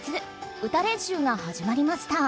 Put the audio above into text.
歌練習がはじまりました。